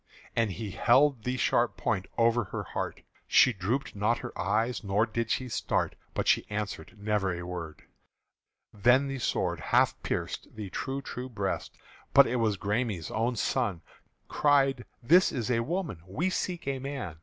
And he held the sharp point over her heart: She drooped not her eyes nor did she start, But she answered never a word. Then the sword half pierced the true true breast: But it was the Græme's own son Cried, "This is a woman we seek a man!"